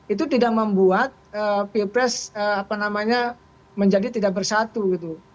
itu tidak membuat pilpres menjadi tidak bersatu gitu